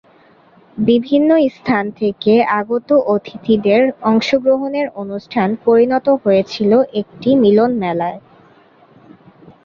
বিভিন্ন স্থান থেকে আগত অতিথিদের অংশগ্রহণে অনুষ্ঠান পরিণত হয়েছিল একটি মিলনমেলায়।